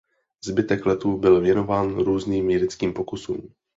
Zbytek letu byl věnován různým vědeckým pokusům.